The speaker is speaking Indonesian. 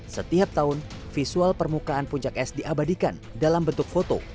setiap tahun visual permukaan puncak es diabadikan dalam bentuk foto